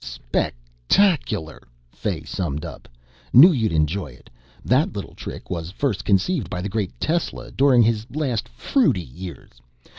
"Spectacular!" Fay summed up. "Knew you'd enjoy it. That little trick was first conceived by the great Tesla during his last fruity years.